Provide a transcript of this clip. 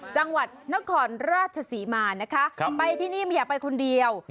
จังหวัดนครราชศรีมานะคะไปที่นี่ไม่อยากไปคนเดียว